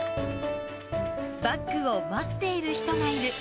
バッグを待っている人がいる。